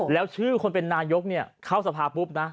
แล้วชื่อคนเป็นนายกเข้าสภาปุ๊บนะ